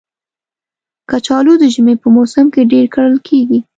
کچالو د ژمي په موسم کې ډېر کرل کېږي